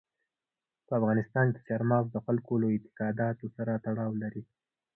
په افغانستان کې چار مغز د خلکو له اعتقاداتو سره تړاو لري.